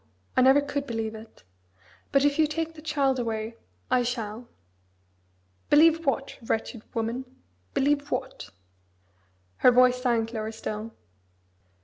I never could believe it. But if you take the child away I shall." "Believe what, wretched woman? believe what?" Her voice sank lower still.